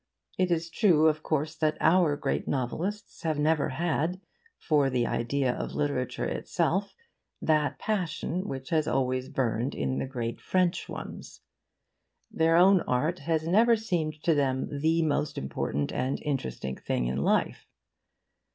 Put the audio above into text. It is true, of course, that our great novelists have never had for the idea of literature itself that passion which has always burned in the great French ones. Their own art has never seemed to them the most important and interesting thing in life.